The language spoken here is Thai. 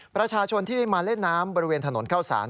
ประชาชนที่มาเล่นน้ำบริเวณถนนเข้าสาร